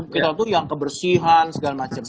kita tuh yang kebersihan segala macam